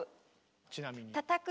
ちなみに。